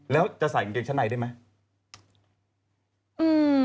แล้วจะใส่กางเกงชั้นในได้ไหม